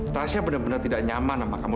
tasha bener bener tidak nyaman sama kamu